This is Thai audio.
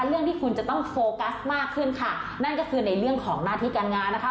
เรื่องที่คุณจะต้องโฟกัสมากขึ้นค่ะนั่นก็คือในเรื่องของหน้าที่การงานนะคะ